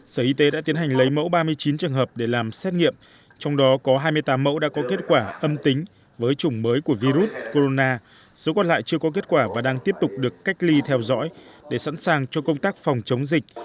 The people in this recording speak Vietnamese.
sở y tế đã tiến hành lấy mẫu ba mươi chín trường hợp để làm xét nghiệm trong đó có hai mươi tám mẫu đã có kết quả âm tính với chủng mới của virus corona số còn lại chưa có kết quả và đang tiếp tục được cách ly theo dõi để sẵn sàng cho công tác phòng chống dịch